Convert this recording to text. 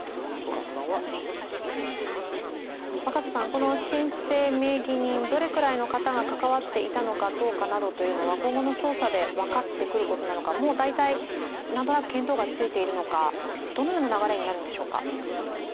この申請名義人、どれくらいの方が関わっていたのかは今後の捜査で分かってくることなのか大体見当が付いているのかどのような流れになるんでしょうか。